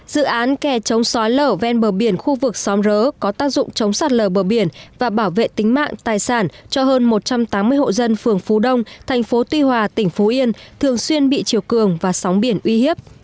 dự án kè chống xói lở ven bờ biển khu vực xóm rớ có tác dụng chống sạt lở bờ biển và bảo vệ tính mạng tài sản cho hơn một trăm tám mươi hộ dân phường phú đông thành phố tuy hòa tỉnh phú yên thường xuyên bị chiều cường và sóng biển uy hiếp